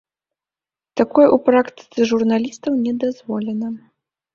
Такое ў практыцы журналістаў не дазволена.